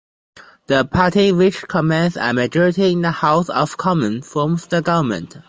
The party which commands a majority in the House of Commons forms the government.